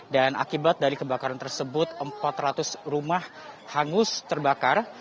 dan akibat dari kebakaran tersebut empat ratus rumah hangus terbakar